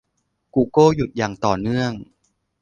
กูเกิลหยุดอย่างต่อเนื่อง